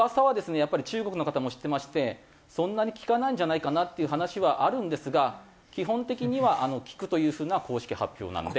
やっぱり中国の方も知ってましてそんなに効かないんじゃないかなっていう話はあるんですが基本的には効くというふうな公式発表なので。